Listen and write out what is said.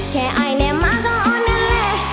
แค่อายแน่มาก็อ่อนแน่เลย